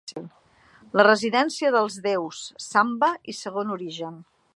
La residència dels déus’, ‘Samba’ i ‘Segon origen’.